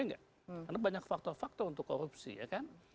karena banyak faktor faktor untuk korupsi ya kan